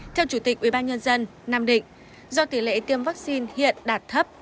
theo chủ tịch ubnd nam định do tỷ lệ tiêm vaccine hiện đạt thấp